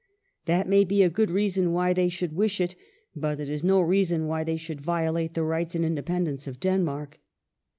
That may be a good reason why they should wish it ; but it is no reason why they should violate the rights and independence of Denmark.